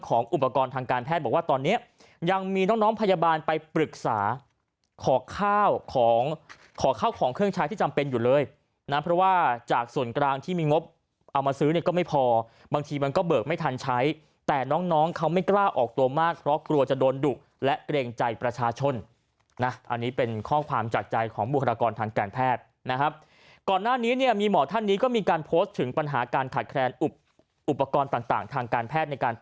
เรื่องของอุปกรณ์ทางการแพทย์บอกว่าตอนเนี้ยยังมีน้องน้องพยาบาลไปปรึกษาขอข้าวของขอข้าวของเครื่องใช้ที่จำเป็นอยู่เลยน่ะเพราะว่าจากส่วนกลางที่มีงบเอามาซื้อเนี้ยก็ไม่พอบางทีมันก็เบิกไม่ทันใช้แต่น้องน้องเขาไม่กล้าออกตัวมากเพราะกลัวจะโดนดุและเกรงใจประชาชนน่ะอันนี้เป็นข้อความจัด